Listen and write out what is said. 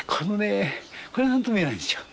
これが何とも言えないんですよ。